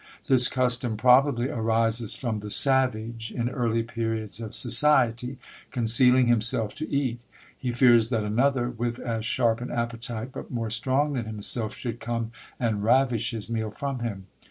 This custom probably arises from the savage, in early periods of society, concealing himself to eat: he fears that another, with as sharp an appetite, but more strong than himself, should come and ravish his meal from him.